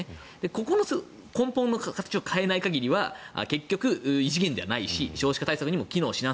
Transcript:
ここの根本の形を変えない限りは結局、異次元ではないし少子化体制にも機能しない。